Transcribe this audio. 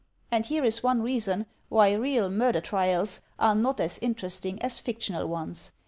And here is one reason why real mur der trials are not as interesting as fictional ones.